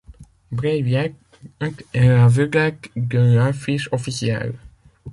Bray Wyatt est la vedette de l'affiche officielle.